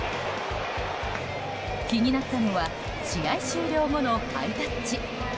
気になったのは試合終了後のハイタッチ。